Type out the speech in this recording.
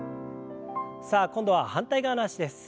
さあ今度は反対側の脚です。